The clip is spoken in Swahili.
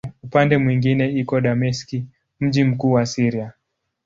Upande mwingine iko Dameski, mji mkuu wa Syria.